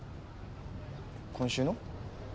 今週の？